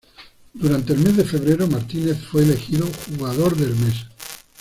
Durante el mes de febrero, Martínez fue elegido "Jugador del mes".